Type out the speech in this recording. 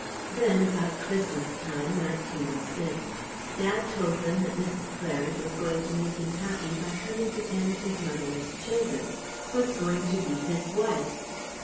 Then about Christmas time, 1906, Dad told them that Mrs. Claridge was going to make him happy by coming to tend his motherless children; was going to be his wife.